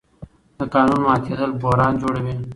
د قانون ماتېدل بحران جوړوي